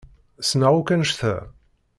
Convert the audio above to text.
Ssneɣ akk anect-a.